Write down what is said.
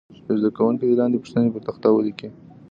یو زده کوونکی دې لاندې پوښتنې پر تخته ولیکي.